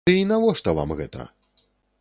Ды і навошта вам гэта?